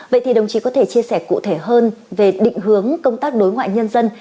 vậy thì đồng chí có thể chia sẻ cụ thể hơn về định hướng công tác đối ngoại nhân dân